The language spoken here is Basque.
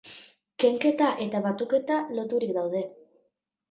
Kenketa eta batuketa loturik daude.